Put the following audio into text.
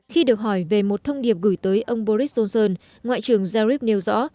khi được hỏi về một thông điệp gửi tới ông boris johnson ngoại trưởng zarif nêu rõ